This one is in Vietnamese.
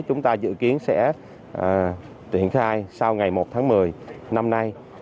chúng ta dự kiến sẽ triển khai sau ngày một tháng một mươi năm nay